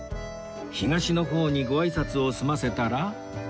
東の方にごあいさつを済ませたら